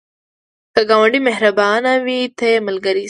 که ګاونډی مهربانه وي، ته یې ملګری شه